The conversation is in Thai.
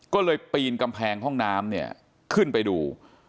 ก็เลยปีนกำแพงห้องน้ำเนี่ยขึ้นไปดู